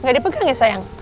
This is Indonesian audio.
gak dipegang ya sayang